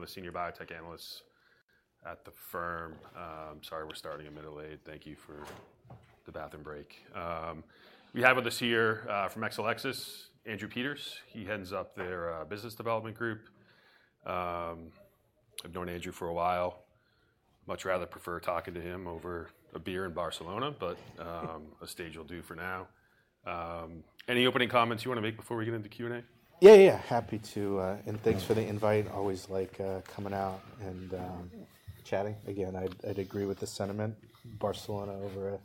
One of the senior biotech analysts at the firm. Sorry, we're starting a little late. Thank you for the bathroom break. We have with us here from Exelixis, Andrew Peters. He heads up their business development group. I've known Andrew for a while. I'd much rather prefer talking to him over a beer in Barcelona, but a stage will do for now. Any opening comments you want to make before we get into Q&A? Yeah, yeah, happy to. And thanks for the invite. Always like coming out and chatting. Again, I'd agree with the sentiment. Barcelona over a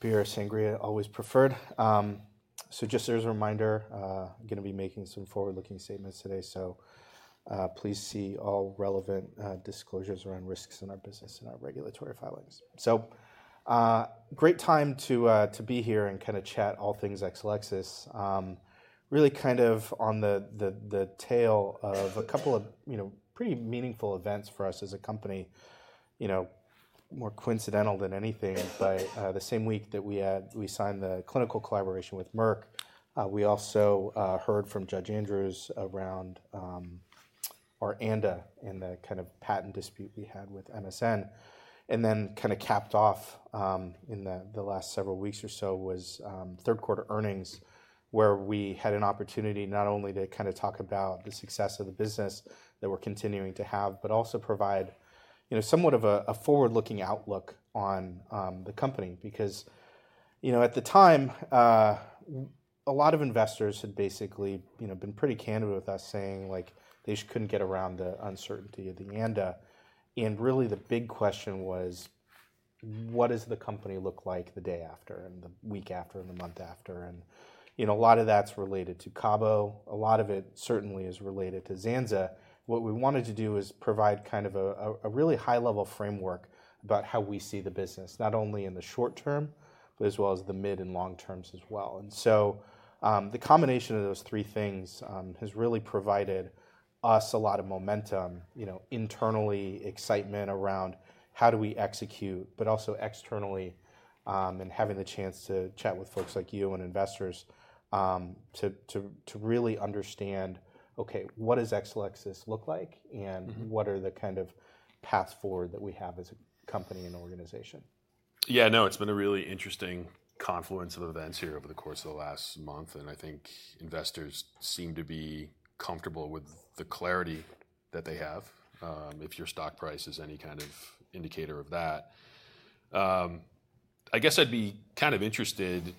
beer is Sangria always preferred. So just as a reminder, I'm going to be making some forward-looking statements today. So please see all relevant disclosures around risks in our business and our regulatory filings. So great time to be here and kind of chat all things Exelixis. Really kind of on the tail of a couple of pretty meaningful events for us as a company. More coincidental than anything, but the same week that we signed the clinical collaboration with Merck, we also heard from Judge Andrews around our ANDA and the kind of patent dispute we had with MSN. And then kind of capped off in the last several weeks or so was third quarter earnings, where we had an opportunity not only to kind of talk about the success of the business that we're continuing to have, but also provide somewhat of a forward-looking outlook on the company. Because at the time, a lot of investors had basically been pretty candid with us saying they just couldn't get around the uncertainty of the ANDA. And really the big question was, what does the company look like the day after, and the week after, and the month after? And a lot of that's related to Cabo. A lot of it certainly is related to Zanza. What we wanted to do is provide kind of a really high-level framework about how we see the business, not only in the short term, but as well as the mid and long terms as well, and so the combination of those three things has really provided us a lot of momentum internally, excitement around how do we execute, but also externally, and having the chance to chat with folks like you and investors to really understand, OK, what does Exelixis look like, and what are the kind of path forward that we have as a company and organization? Yeah, no, it's been a really interesting confluence of events here over the course of the last month, and I think investors seem to be comfortable with the clarity that they have, if your stock price is any kind of indicator of that. I guess I'd be kind of interested,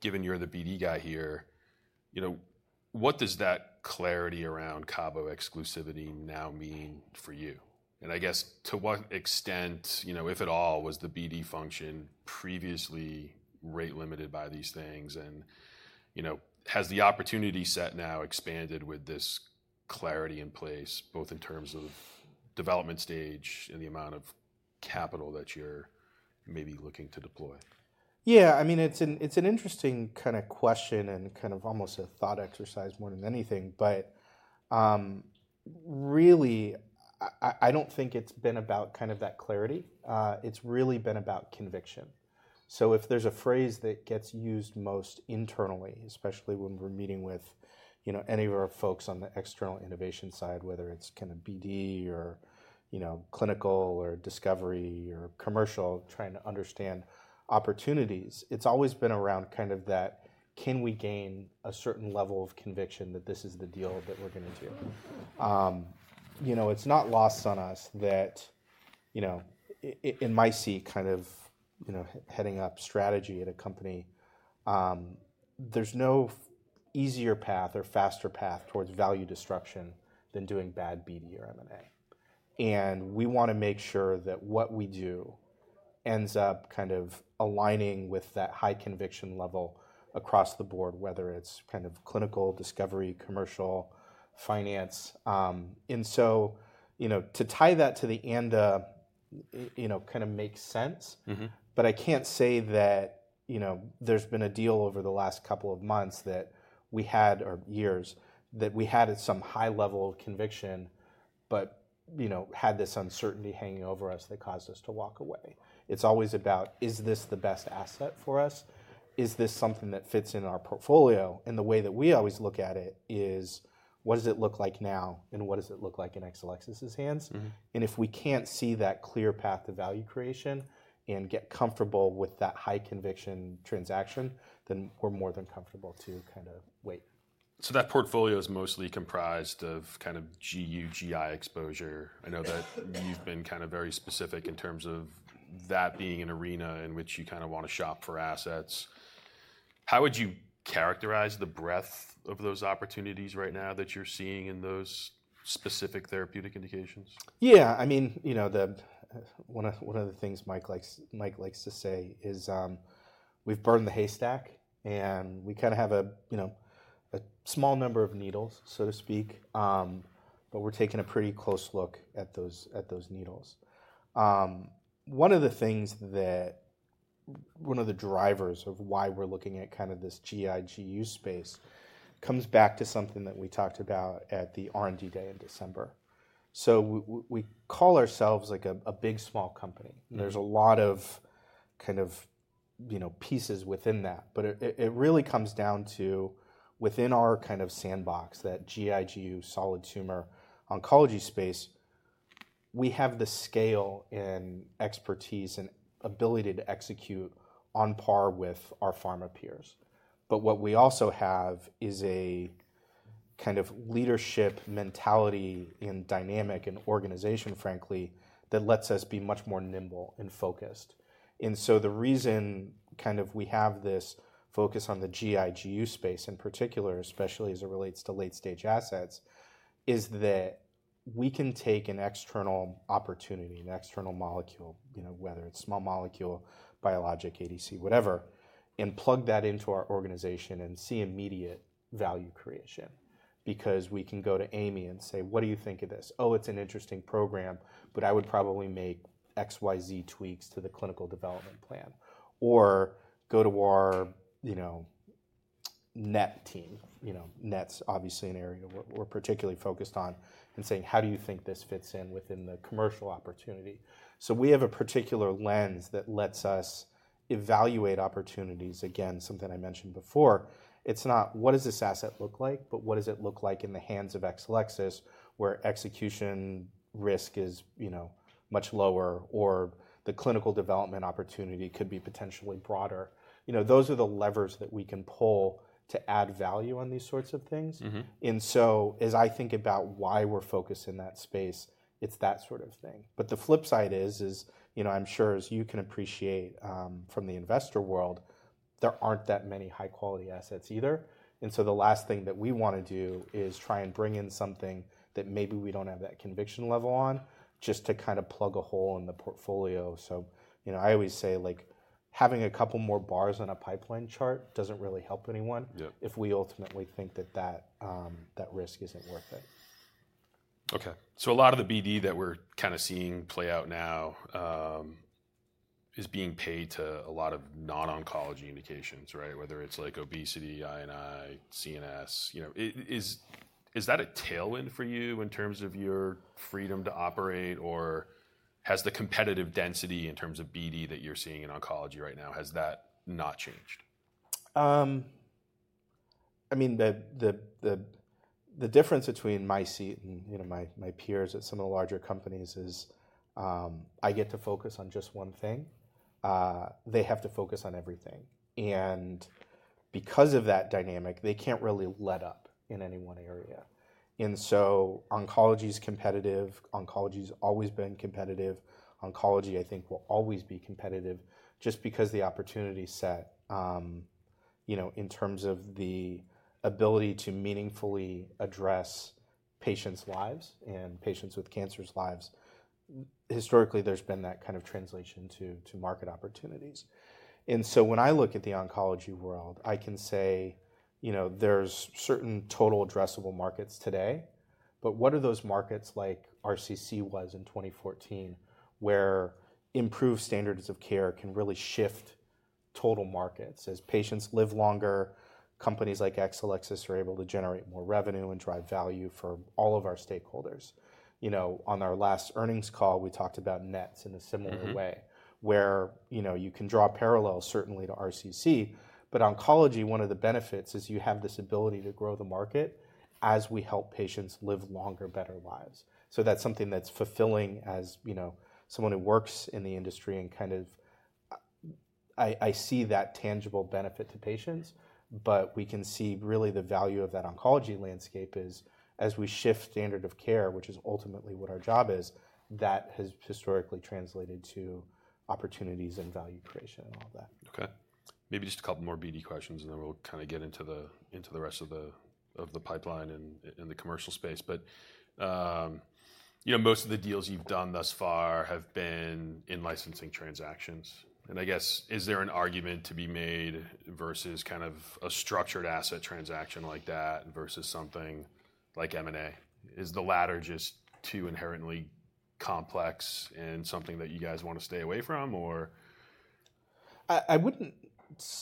given you're the BD guy here, what does that clarity around Cabo exclusivity now mean for you?, and I guess to what extent, if at all, was the BD function previously rate-limited by these things?, and has the opportunity set now expanded with this clarity in place, both in terms of development stage and the amount of capital that you're maybe looking to deploy? Yeah, I mean, it's an interesting kind of question and kind of almost a thought exercise more than anything. But really, I don't think it's been about kind of that clarity. It's really been about conviction. So if there's a phrase that gets used most internally, especially when we're meeting with any of our folks on the external innovation side, whether it's kind of BD, or clinical, or discovery, or commercial, trying to understand opportunities, it's always been around kind of that, can we gain a certain level of conviction that this is the deal that we're going to do? It's not lost on us that in my seat kind of heading up strategy at a company, there's no easier path or faster path towards value destruction than doing bad BD or M&A. And we want to make sure that what we do ends up kind of aligning with that high conviction level across the board, whether it's kind of clinical, discovery, commercial, finance. And so to tie that to the ANDA kind of makes sense. But I can't say that there's been a deal over the last couple of months that we had, or years, that we had at some high level of conviction, but had this uncertainty hanging over us that caused us to walk away. It's always about, is this the best asset for us? Is this something that fits in our portfolio? And the way that we always look at it is, what does it look like now? And what does it look like in Exelixis's hands? And if we can't see that clear path of value creation and get comfortable with that high conviction transaction, then we're more than comfortable to kind of wait. So that portfolio is mostly comprised of kind of GU, GI exposure. I know that you've been kind of very specific in terms of that being an arena in which you kind of want to shop for assets. How would you characterize the breadth of those opportunities right now that you're seeing in those specific therapeutic indications? Yeah, I mean, one of the things Mike likes to say is we've burned the haystack, and we kind of have a small number of needles, so to speak, but we're taking a pretty close look at those needles. One of the things that one of the drivers of why we're looking at kind of this GI, GU space comes back to something that we talked about at the R&D day in December, so we call ourselves like a big small company. There's a lot of kind of pieces within that, but it really comes down to within our kind of sandbox, that GI, GU, solid tumor oncology space, we have the scale and expertise and ability to execute on par with our pharma peers, but what we also have is a kind of leadership mentality and dynamic and organization, frankly, that lets us be much more nimble and focused. And so the reason kind of we have this focus on the GI, GU space in particular, especially as it relates to late-stage assets, is that we can take an external opportunity, an external molecule, whether it's small molecule, biologic, ADC, whatever, and plug that into our organization and see immediate value creation. Because we can go to Amy and say, what do you think of this? Oh, it's an interesting program, but I would probably make X, Y, Z tweaks to the clinical development plan. Or go to our NET team. NET's obviously an area we're particularly focused on and saying, how do you think this fits in within the commercial opportunity? So we have a particular lens that lets us evaluate opportunities. Again, something I mentioned before, it's not what does this asset look like, but what does it look like in the hands of Exelixis, where execution risk is much lower, or the clinical development opportunity could be potentially broader. Those are the levers that we can pull to add value on these sorts of things. And so as I think about why we're focused in that space, it's that sort of thing. But the flip side is, I'm sure as you can appreciate from the investor world, there aren't that many high-quality assets either. And so the last thing that we want to do is try and bring in something that maybe we don't have that conviction level on, just to kind of plug a hole in the portfolio. So I always say having a couple more bars on a pipeline chart doesn't really help anyone if we ultimately think that that risk isn't worth it. OK, so a lot of the BD that we're kind of seeing play out now is being paid to a lot of non-oncology indications, right? Whether it's like obesity, INI, CNS. Is that a tailwind for you in terms of your freedom to operate? Or has the competitive density in terms of BD that you're seeing in oncology right now, has that not changed? I mean, the difference between my seat and my peers at some of the larger companies is I get to focus on just one thing. They have to focus on everything. And because of that dynamic, they can't really let up in any one area. And so oncology is competitive. Oncology has always been competitive. Oncology, I think, will always be competitive just because the opportunity set in terms of the ability to meaningfully address patients' lives and patients with cancers' lives. Historically, there's been that kind of translation to market opportunities. And so when I look at the oncology world, I can say there's certain total addressable markets today. But what are those markets like RCC was in 2014, where improved standards of care can really shift total markets? As patients live longer, companies like Exelixis are able to generate more revenue and drive value for all of our stakeholders. On our last earnings call, we talked about NETs in a similar way, where you can draw parallels, certainly, to RCC. But oncology, one of the benefits is you have this ability to grow the market as we help patients live longer, better lives. So that's something that's fulfilling as someone who works in the industry. And kind of I see that tangible benefit to patients. But we can see really the value of that oncology landscape is as we shift standard of care, which is ultimately what our job is, that has historically translated to opportunities and value creation and all that. OK, maybe just a couple more BD questions, and then we'll kind of get into the rest of the pipeline and the commercial space. But most of the deals you've done thus far have been in licensing transactions. And I guess, is there an argument to be made versus kind of a structured asset transaction like that versus something like M&A? Is the latter just too inherently complex and something that you guys want to stay away from, or? I wouldn't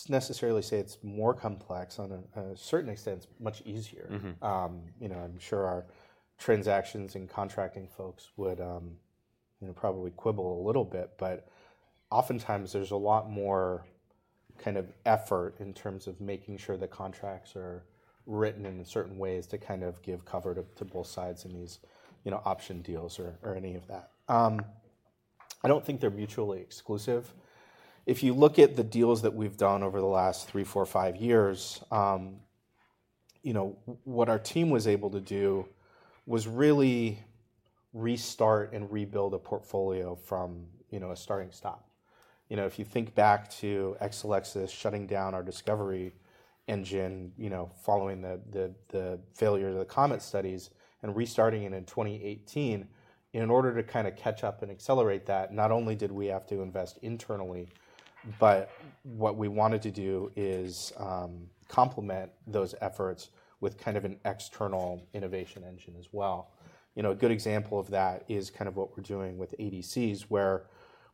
necessarily say it's more complex. To a certain extent, it's much easier. I'm sure our transactions and contracting folks would probably quibble a little bit. But oftentimes, there's a lot more kind of effort in terms of making sure the contracts are written in certain ways to kind of give cover to both sides in these option deals or any of that. I don't think they're mutually exclusive. If you look at the deals that we've done over the last three, four, five years, what our team was able to do was really restart and rebuild a portfolio from a standing start. If you think back to Exelixis shutting down our discovery engine following the failure of the comet studies and restarting it in 2018, in order to kind of catch up and accelerate that, not only did we have to invest internally, but what we wanted to do is complement those efforts with kind of an external innovation engine as well. A good example of that is kind of what we're doing with ADCs, where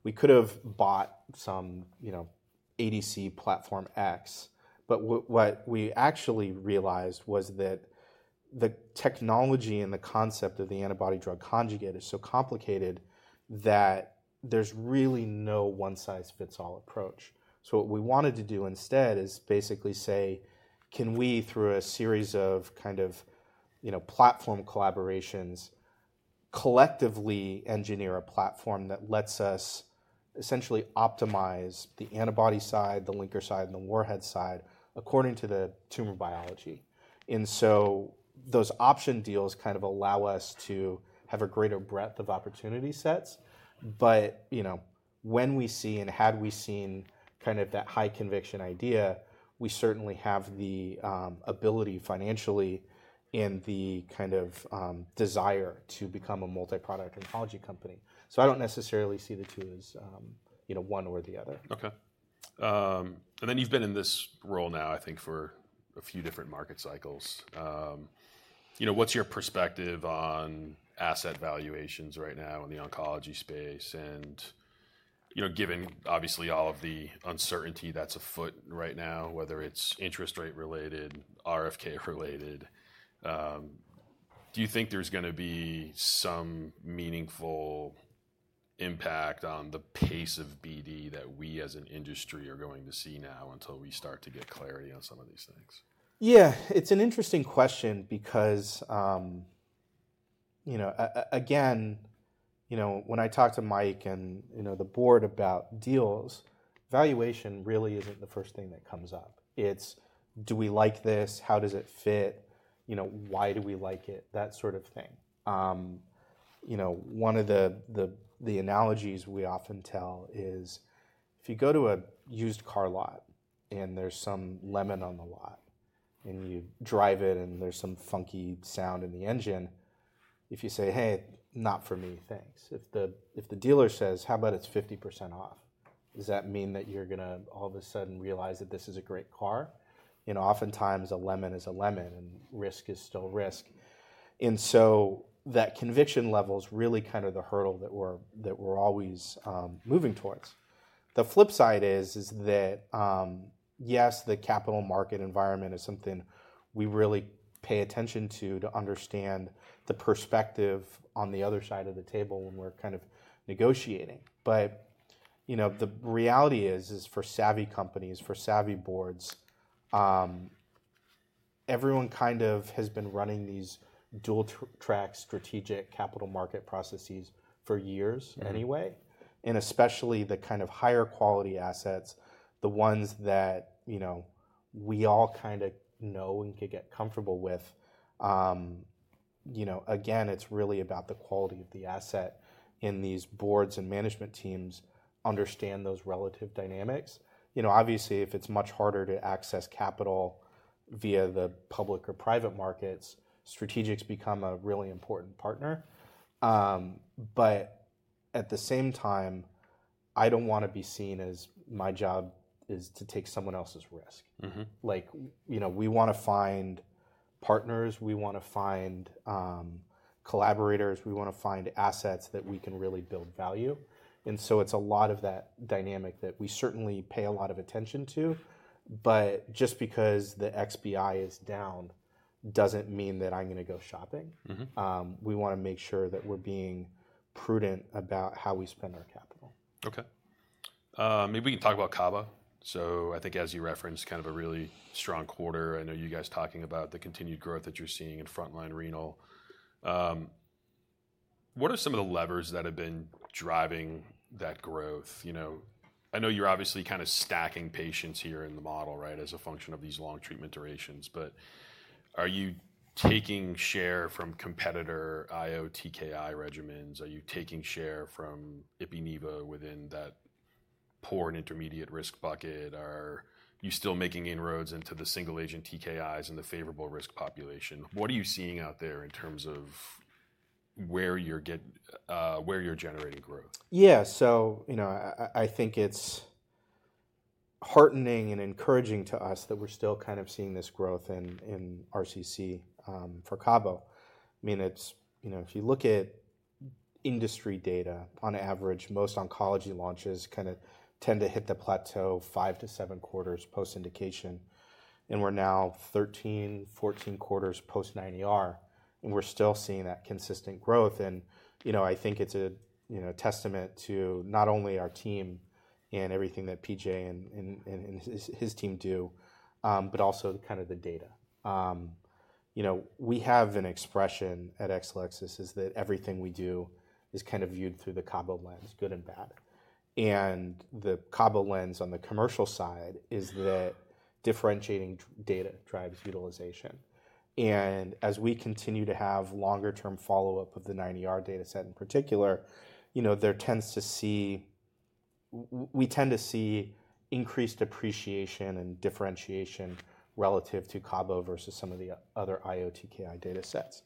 we could have bought some ADC platform X. But what we actually realized was that the technology and the concept of the antibody-drug conjugate is so complicated that there's really no one-size-fits-all approach. So what we wanted to do instead is basically say, can we, through a series of kind of platform collaborations, collectively engineer a platform that lets us essentially optimize the antibody side, the linker side, and the warhead side according to the tumor biology? And so those option deals kind of allow us to have a greater breadth of opportunity sets. But when we see and had we seen kind of that high conviction idea, we certainly have the ability financially and the kind of desire to become a multi-product oncology company. So I don't necessarily see the two as one or the other. OK, and then you've been in this role now, I think, for a few different market cycles. What's your perspective on asset valuations right now in the oncology space? And given, obviously, all of the uncertainty that's afoot right now, whether it's interest rate-related, RFK-related, do you think there's going to be some meaningful impact on the pace of BD that we as an industry are going to see now until we start to get clarity on some of these things? Yeah, it's an interesting question. Because again, when I talk to Mike and the board about deals, valuation really isn't the first thing that comes up. It's, do we like this? How does it fit? Why do we like it? That sort of thing. One of the analogies we often tell is if you go to a used car lot and there's some lemon on the lot, and you drive it, and there's some funky sound in the engine, if you say, hey, not for me, thanks, if the dealer says, how about it's 50% off, does that mean that you're going to all of a sudden realize that this is a great car? Oftentimes, a lemon is a lemon, and risk is still risk. And so that conviction level is really kind of the hurdle that we're always moving towards. The flip side is that, yes, the capital market environment is something we really pay attention to understand the perspective on the other side of the table when we're kind of negotiating. But the reality is, for savvy companies, for savvy boards, everyone kind of has been running these dual-track strategic capital market processes for years anyway. And especially the kind of higher quality assets, the ones that we all kind of know and could get comfortable with, again, it's really about the quality of the asset. And these boards and management teams understand those relative dynamics. Obviously, if it's much harder to access capital via the public or private markets, strategics become a really important partner. But at the same time, I don't want to be seen as my job is to take someone else's risk. We want to find partners. We want to find collaborators. We want to find assets that we can really build value. And so it's a lot of that dynamic that we certainly pay a lot of attention to. But just because the XBI is down doesn't mean that I'm going to go shopping. We want to make sure that we're being prudent about how we spend our capital. OK, maybe we can talk about Cabo. So I think, as you referenced, kind of a really strong quarter. I know you guys talking about the continued growth that you're seeing in frontline renal. What are some of the levers that have been driving that growth? I know you're obviously kind of stacking patients here in the model as a function of these long treatment durations. But are you taking share from competitor IO TKI regimens? Are you taking share from IpiNivo within that poor and intermediate risk bucket? Are you still making inroads into the single-agent TKIs and the favorable risk population? What are you seeing out there in terms of where you're generating growth? Yeah, so I think it's heartening and encouraging to us that we're still kind of seeing this growth in RCC for Cabo. I mean, if you look at industry data, on average, most oncology launches kind of tend to hit the plateau five to seven quarters post-indication, and we're now 13, 14 quarters post-90R, and we're still seeing that consistent growth, and I think it's a testament to not only our team and everything that PJ and his team do, but also kind of the data. We have an expression at Exelixis that everything we do is kind of viewed through the Cabo lens, good and bad, and the Cabo lens on the commercial side is that differentiating data drives utilization. And as we continue to have longer-term follow-up of the 90R data set in particular, we tend to see increased appreciation and differentiation relative to Cabo versus some of the other IO TKI data sets.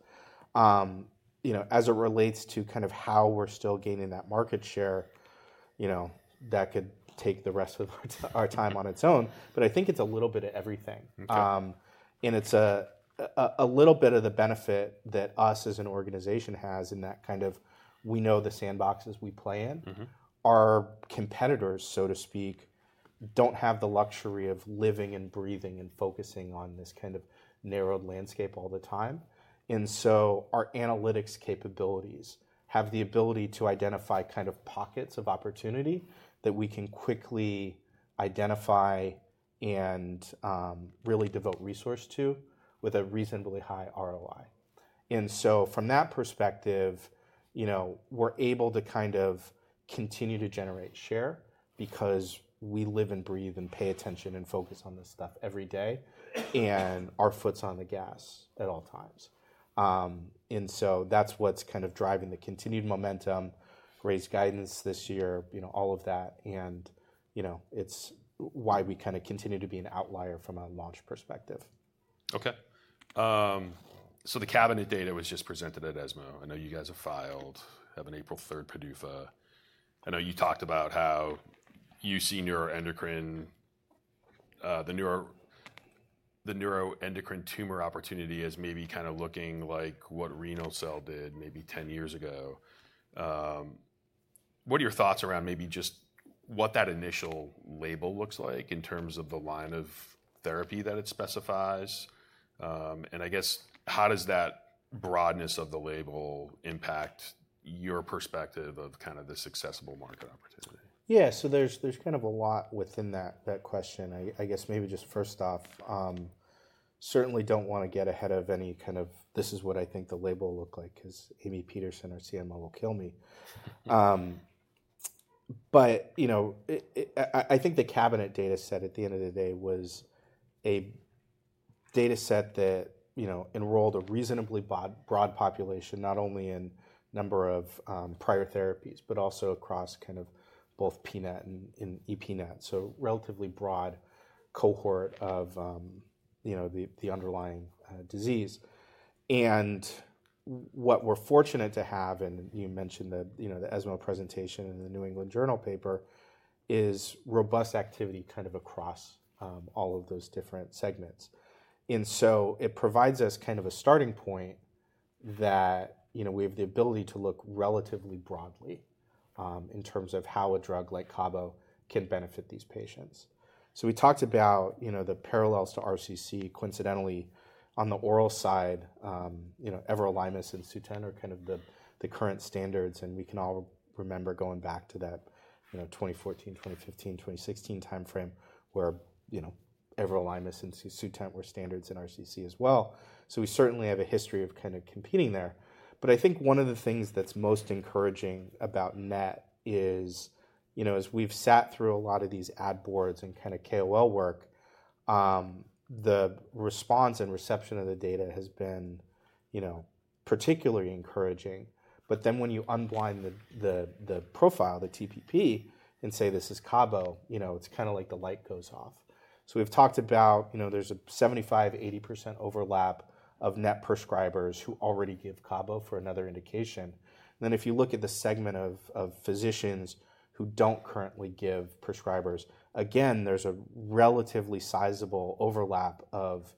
As it relates to kind of how we're still gaining that market share, that could take the rest of our time on its own, but I think it's a little bit of everything, and it's a little bit of the benefit that us as an organization has in that kind of we know the sandboxes we play in. Our competitors, so to speak, don't have the luxury of living and breathing and focusing on this kind of narrowed landscape all the time. And so our analytics capabilities have the ability to identify kind of pockets of opportunity that we can quickly identify and really devote resource to with a reasonably high ROI. And so from that perspective, we're able to kind of continue to generate share because we live and breathe and pay attention and focus on this stuff every day and our foot's on the gas at all times. And so that's what's kind of driving the continued momentum, raise guidance this year, all of that. And it's why we kind of continue to be an outlier from a launch perspective. OK, so the Cabometyx data was just presented at ESMO. I know you guys have filed, have an April 3 PDUFA. I know you talked about how you've seen the neuroendocrine tumor opportunity as maybe kind of looking like what renal cell did maybe 10 years ago. What are your thoughts around maybe just what that initial label looks like in terms of the line of therapy that it specifies? And I guess, how does that broadness of the label impact your perspective of kind of this accessible market opportunity? Yeah, so there's kind of a lot within that question. I guess maybe just first off, certainly don't want to get ahead of any kind of this is what I think the label will look like because Amy Peterson or Sienna will kill me. But I think the Cabometyx data set at the end of the day was a data set that enrolled a reasonably broad population, not only in number of prior therapies, but also across kind of both PNET and EPNET, so a relatively broad cohort of the underlying disease. And what we're fortunate to have, and you mentioned the ESMO presentation and the New England Journal paper, is robust activity kind of across all of those different segments. And so it provides us kind of a starting point that we have the ability to look relatively broadly in terms of how a drug like Cabo can benefit these patients. So we talked about the parallels to RCC. Coincidentally, on the oral side, Everolimus and Sutent are kind of the current standards. And we can all remember going back to that 2014, 2015, 2016 time frame where Everolimus and Sutent were standards in RCC as well. So we certainly have a history of kind of competing there. But I think one of the things that's most encouraging about NET is, as we've sat through a lot of these ad boards and kind of KOL work, the response and reception of the data has been particularly encouraging. But then when you unblind the profile, the TPP, and say this is Cabo, it's kind of like the light goes off. We've talked about there's a 75%, 80% overlap of NET prescribers who already give Cabo for another indication. Then if you look at the segment of physicians who don't currently prescribe, again, there's a relatively sizable overlap of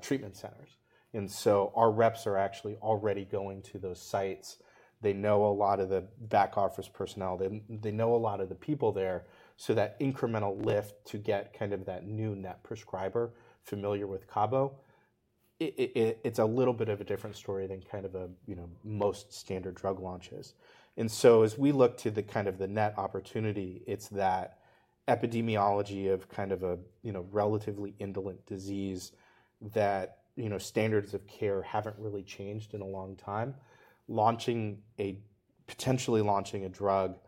treatment centers. Our reps are actually already going to those sites. They know a lot of the back office personnel. They know a lot of the people there. That incremental lift to get kind of that new NET prescriber familiar with Cabo, it's a little bit of a different story than kind of most standard drug launches. As we look to kind of the NET opportunity, it's that epidemiology of kind of a relatively indolent disease that standards of care haven't really changed in a long time. Potentially launching a drug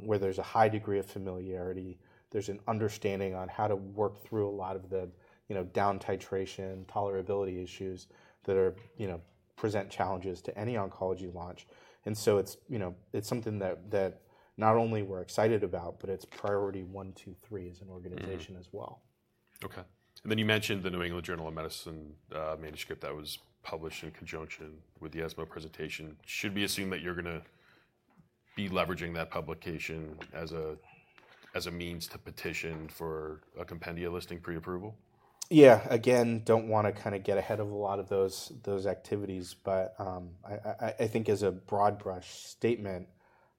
where there's a high degree of familiarity, there's an understanding on how to work through a lot of the down titration, tolerability issues that present challenges to any oncology launch, and so it's something that not only we're excited about, but it's priority one, two, three as an organization as well. OK, and then you mentioned the New England Journal of Medicine manuscript that was published in conjunction with the ESMO presentation. Should we assume that you're going to be leveraging that publication as a means to petition for a compendia listing pre-approval? Yeah, again, don't want to kind of get ahead of a lot of those activities. But I think as a broad brush statement,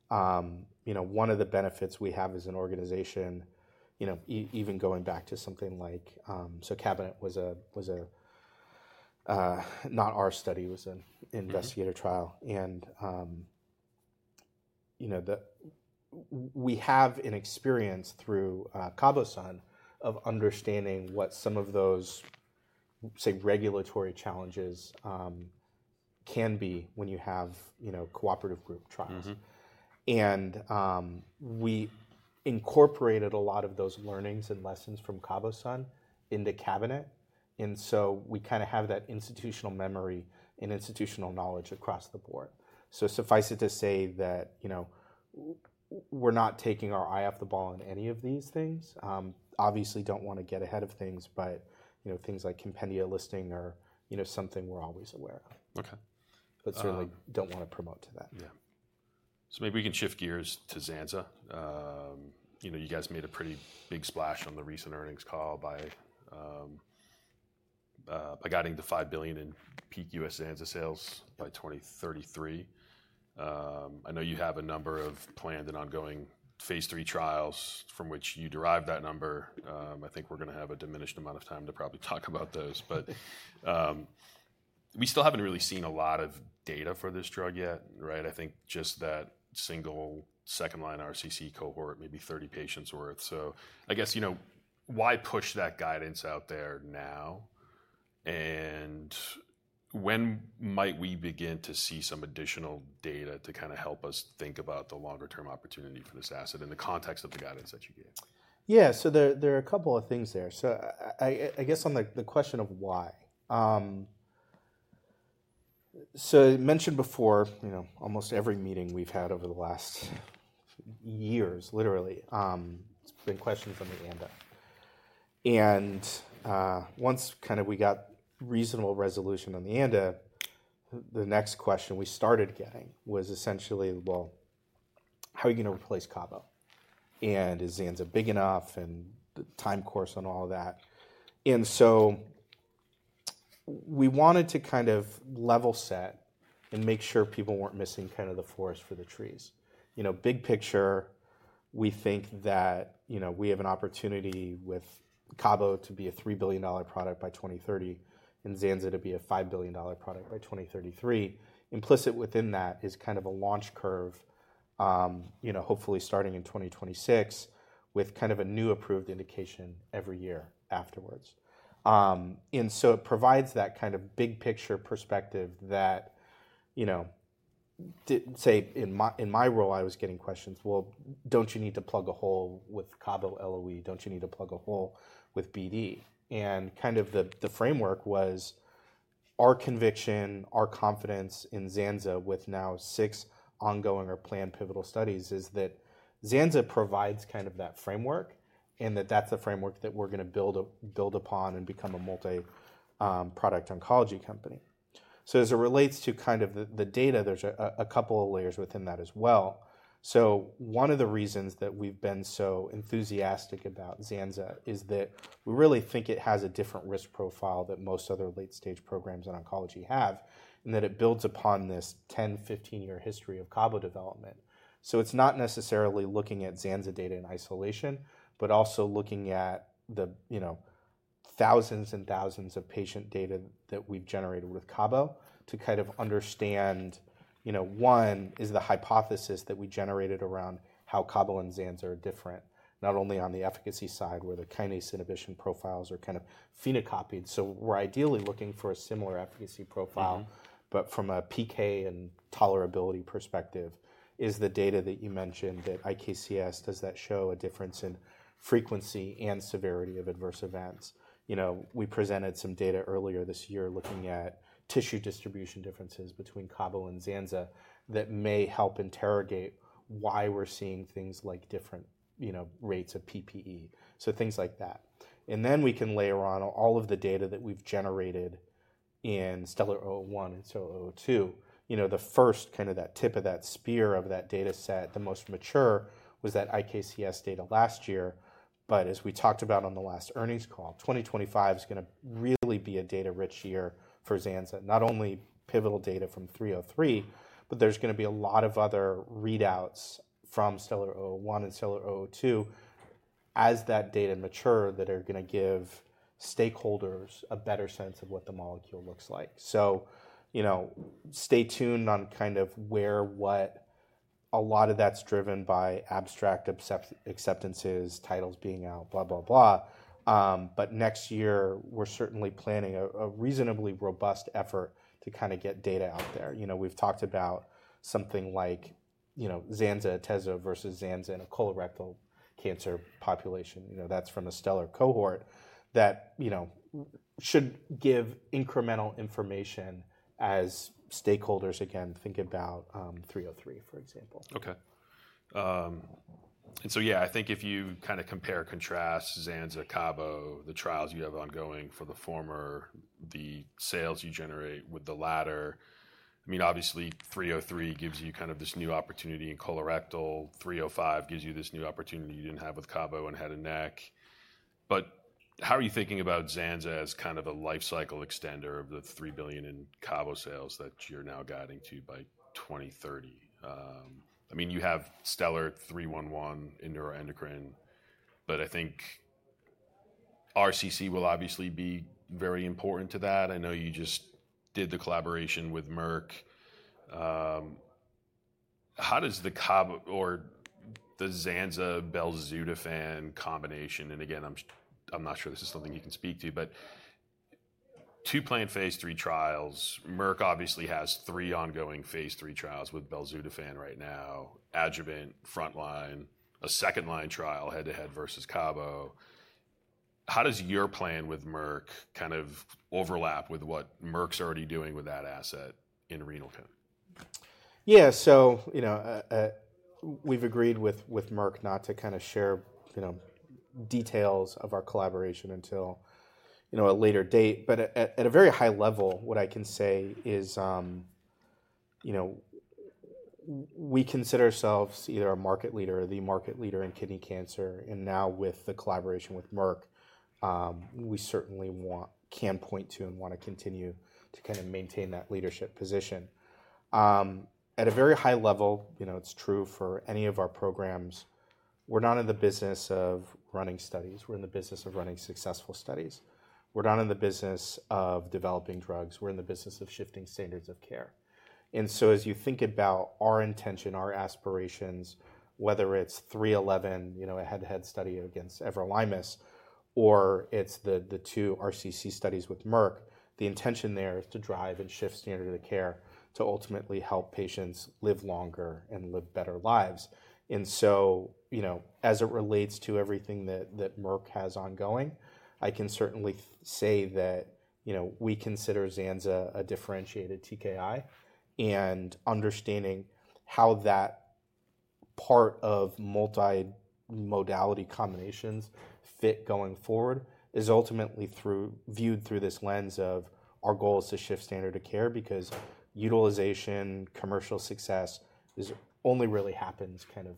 one of the benefits we have as an organization, even going back to something like Cabometyx was not our study. It was an investigator trial. And we have an experience through CABOSUN of understanding what some of those, say, regulatory challenges can be when you have cooperative group trials. And we incorporated a lot of those learnings and lessons from CABOSUN into Cabometyx. And so we kind of have that institutional memory and institutional knowledge across the board. So suffice it to say that we're not taking our eye off the ball on any of these things. Obviously, don't want to get ahead of things. But things like compendia listing are something we're always aware of. But certainly don't want to promote to that. Yeah, so maybe we can shift gears to Zanza. You guys made a pretty big splash on the recent earnings call by guiding the $5 billion in peak U.S. Zanza sales by 2033. I know you have a number of planned and ongoing phase three trials from which you derived that number. I think we're going to have a diminished amount of time to probably talk about those. But we still haven't really seen a lot of data for this drug yet. I think just that single second line RCC cohort, maybe 30 patients worth. So I guess, why push that guidance out there now? And when might we begin to see some additional data to kind of help us think about the longer-term opportunity for this asset in the context of the guidance that you gave? Yeah, so there are a couple of things there. So I guess on the question of why. So I mentioned before, almost every meeting we've had over the last years, literally, it's been questions on the ANDA. And once kind of we got reasonable resolution on the ANDA, the next question we started getting was essentially, well, how are you going to replace Cabo? And is Zanza big enough? And the time course on all of that. And so we wanted to kind of level set and make sure people weren't missing kind of the forest for the trees. Big picture, we think that we have an opportunity with Cabo to be a $3 billion product by 2030 and Zanza to be a $5 billion product by 2033. Implicit within that is kind of a launch curve, hopefully starting in 2026, with kind of a new approved indication every year afterwards. And so it provides that kind of big picture perspective that, say, in my role, I was getting questions, well, don't you need to plug a hole with Kaba Loe? Don't you need to plug a hole with BD? And kind of the framework was our conviction, our confidence in Zanza with now six ongoing or planned pivotal studies is that Zanza provides kind of that framework and that that's the framework that we're going to build upon and become a multi-product oncology company. So as it relates to kind of the data, there's a couple of layers within that as well. So one of the reasons that we've been so enthusiastic about Zanza is that we really think it has a different risk profile that most other late-stage programs in oncology have and that it builds upon this 10, 15-year history of Cabo development. So it's not necessarily looking at Zanza data in isolation, but also looking at the thousands and thousands of patient data that we've generated with Cabo to kind of understand, one, is the hypothesis that we generated around how Cabo and Zanza are different, not only on the efficacy side where the kinase inhibition profiles are kind of phenocopied. So we're ideally looking for a similar efficacy profile. But from a PK and tolerability perspective, is the data that you mentioned that IKCS, does that show a difference in frequency and severity of adverse events? We presented some data earlier this year looking at tissue distribution differences between Cabo and Zanza that may help interrogate why we're seeing things like different rates of PPE, so things like that. And then we can layer on all of the data that we've generated in STELLAR-01 and STELLAR-02. The first kind of that tip of that spear of that data set, the most mature, was that IKCS data last year. But as we talked about on the last earnings call, 2025 is going to really be a data-rich year for Zanza, not only pivotal data from 303, but there's going to be a lot of other readouts from STELLAR-01 and STELLAR-02 as that data mature that are going to give stakeholders a better sense of what the molecule looks like. So stay tuned on kind of where, what. A lot of that's driven by abstract acceptances, titles being out, blah, blah, blah. But next year, we're certainly planning a reasonably robust effort to kind of get data out there. We've talked about something like Zanza, Tezza versus Zanza in a colorectal cancer population. That's from a STELLAR cohort that should give incremental information as stakeholders, again, think about 303, for example. OK, and so yeah, I think if you kind of compare and contrast Zanza, Cabo, the trials you have ongoing for the former, the sales you generate with the latter, I mean, obviously, 303 gives you kind of this new opportunity in colorectal. 305 gives you this new opportunity you didn't have with Cabo and head and neck. But how are you thinking about Zanza as kind of a life cycle extender of the $3 billion in Cabo sales that you're now guiding to by 2030? I mean, you have STELLAR-311 in neuroendocrine. But I think RCC will obviously be very important to that. I know you just did the collaboration with Merck. How does the Cabo or the Zanza/Belzutifan combination? And again, I'm not sure this is something you can speak to. But two planned phase three trials. Merck obviously has three ongoing phase three trials with Belzutifan right now, adjuvant, front line, a second line trial, head to head versus Cabo. How does your plan with Merck kind of overlap with what Merck's already doing with that asset in renal cell? Yeah, so we've agreed with Merck not to kind of share details of our collaboration until a later date. But at a very high level, what I can say is we consider ourselves either a market leader or the market leader in kidney cancer. And now with the collaboration with Merck, we certainly can point to and want to continue to kind of maintain that leadership position. At a very high level, it's true for any of our programs. We're not in the business of running studies. We're in the business of running successful studies. We're not in the business of developing drugs. We're in the business of shifting standards of care. And so, as you think about our intention, our aspirations, whether it's 311, a head-to-head study against everolimus, or it's the two RCC studies with Merck, the intention there is to drive and shift standard of care to ultimately help patients live longer and live better lives. And so, as it relates to everything that Merck has ongoing, I can certainly say that we consider Zanza a differentiated TKI. And understanding how that part of multi-modality combinations fit going forward is ultimately viewed through this lens of our goal is to shift standard of care because utilization, commercial success, only really happens kind of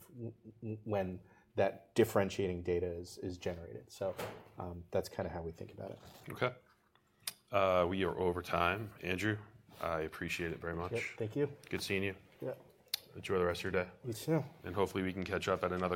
when that differentiating data is generated. So that's kind of how we think about it. OK, we are over time, Andrew. I appreciate it very much. Thank you. Good seeing you. Yeah. Enjoy the rest of your day. You too. Hopefully, we can catch up at another.